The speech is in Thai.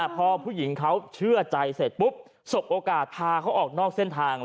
พอผู้หญิงเขาเชื่อใจเสร็จปุ๊บสบโอกาสพาเขาออกนอกเส้นทาง